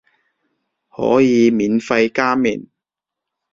可以免費加麵